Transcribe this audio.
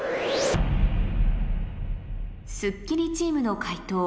『スッキリ』チームの解答